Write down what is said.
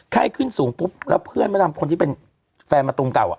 ไข้ขึ้นสูงปุ๊บแล้วเพื่อนมาดำคนที่เป็นแฟนมะตูมเก่าอ่ะ